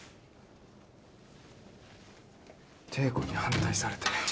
汀子に反対されて